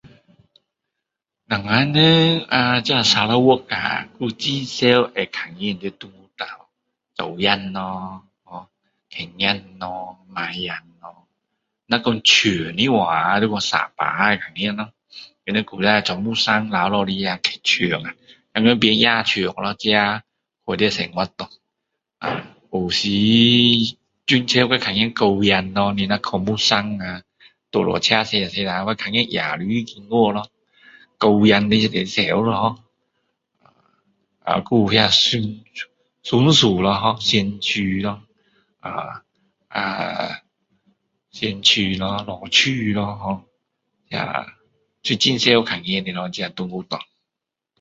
我们人呃这砂拉越啊有很常会看到东西啦小鸟咯ho小狗咯小猫咯若说象的话要去沙巴会看见咯他们以前做木山留下来的大象啊都变野象咯在里面生活咯有时很常还会看见猴子咯你若是说去木山啊路上车开下开下还会看到野猪经过咯猴子会比较常啦ho呃还有松鼠啦ho壁虎壁虎咯老鼠咯那都很常看见的咯这东西咯